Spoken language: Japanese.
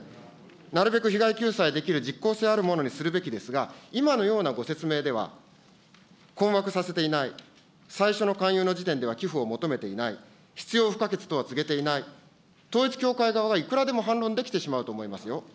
なるべく被害救済できる実効性あるものにするべきですが、今のようなご説明では、困惑させていない、最初の勧誘の時点では、寄付を求めていない、必要不可欠とは告げていない、統一教会側がいくらでも反論できてしまうと思いますよ。